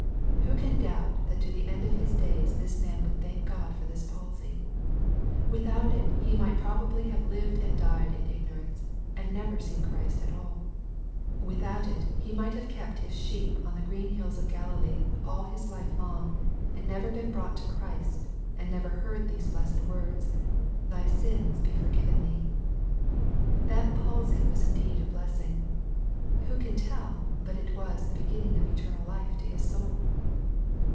Who can doubt that to the end of his days this man would thank God for this palsy ? Without it he might probably have lived and died in ignorance, and never seen Christ at all. Without it, he might have kept his sheep on the green hills of Galilee all his life long, and never been brought to Christ, and never heard these blessed words, " thy sins be forgiven thee." That palsy was indeed a blessing. Who can tell but it was the be ginning of eternal life to his soul